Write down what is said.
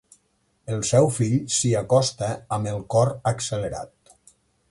El seu fill s'hi acosta amb el cor accelerat.